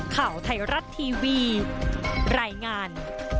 ข่าวไทยรัฐทีวีรายงาน